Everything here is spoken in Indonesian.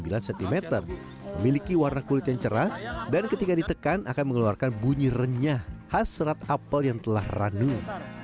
dengan rata rata berdiameter lima sampai sembilan cm memiliki warna kulit yang cerah dan ketika ditekan akan mengeluarkan bunyi renyah khas serat apel yang telah ranuh